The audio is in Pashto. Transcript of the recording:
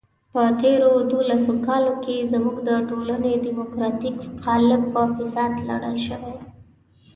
په تېرو دولسو کالو کې زموږ د ټولنې دیموکراتیک قالب په فساد لړل شوی.